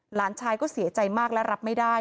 หลานชายก็เสียใจมากและรับไม่ได้